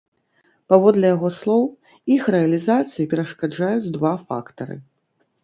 Паводле яго слоў, іх рэалізацыі перашкаджаюць два фактары.